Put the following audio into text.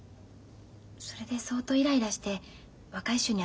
それで相当イライラして若い衆に当たったりするの。